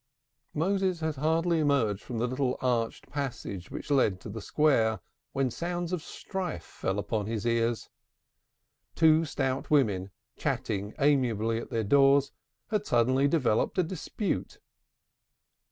Moses had hardly emerged from the little arched passage which led to the Square, when sounds of strife fell upon his ears. Two stout women chatting amicably at their doors, had suddenly developed a dispute.